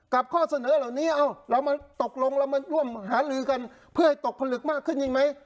ข้อเสนอเหล่านี้เรามาตกลงเรามาร่วมหาลือกันเพื่อให้ตกผลึกมากขึ้นจริงไหม